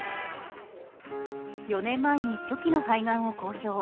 ４年前に初期の肺がんを公表。